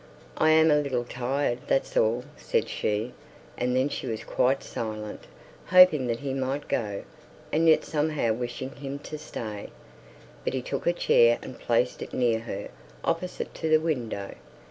"I'm a little tired, that's all," said she; and then she was quite silent, hoping that he might go, and yet somehow wishing him to stay. But he took a chair and placed it near her, opposite to the window.